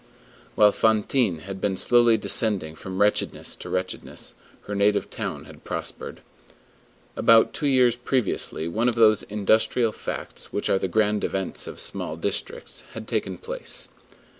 While Fantine had been slowly descending from wretchedness to wretchedness, her native town had prospered. About two years previously one of those industrial facts which are the grand events of small districts had taken place.